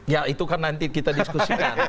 ya itu kan nanti kita diskusikan